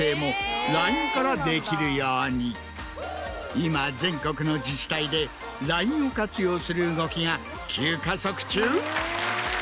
今全国の自治体でＬＩＮＥを活用する動きが急加速中！